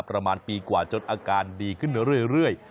ประมาณปีกว่าจนอาการดีขึ้นเรื่อย